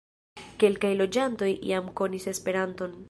Kelkaj loĝantoj jam konis Esperanton.